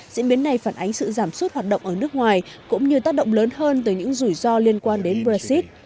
diễn biến này phản ánh sự giảm suất hoạt động ở nước ngoài cũng như tác động lớn hơn tới những rủi ro liên quan đến brexit